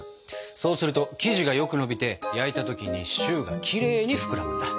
そうすると生地がよく伸びて焼いた時にシューがきれいに膨らむんだ。